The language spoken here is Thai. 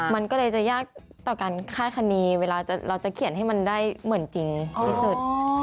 มันก็เลยจะยากต่อการค่ายคณีเวลาเราจะเขียนให้มันได้เหมือนจริงที่สุด